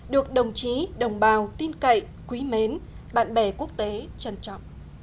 được đồng chí đồng bào tin cậy quý mến bạn bè quốc tế trân trọng